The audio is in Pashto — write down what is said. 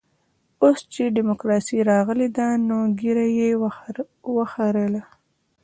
اوس چې ډيموکراسي راغلې ده نو ږيره يې وخرېیله.